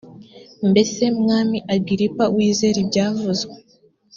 mbese mwami agiripa wizera ibyavuzwe